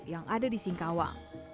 yang ada di singkawang